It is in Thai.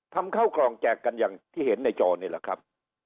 เข้ากล่องแจกกันอย่างที่เห็นในจอนี่แหละครับ